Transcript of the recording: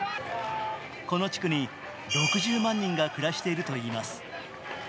この地区に６０万人が暮らしているといいます。